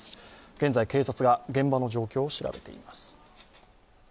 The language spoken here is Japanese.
現在、警察が現場の状況を調べています。